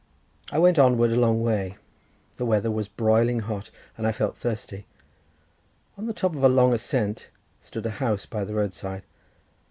I went onward a long way; the weather was broiling hot, and I felt thirsty. On the top of a long ascent stood a house by the roadside.